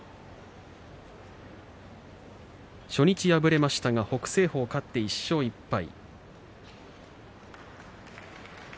初日敗れましたが北青鵬勝って１勝１敗です。